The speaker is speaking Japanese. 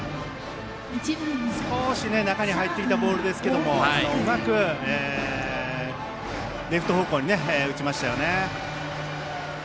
少し中に入ってきたボールですがうまくレフト方向に打ちましたね。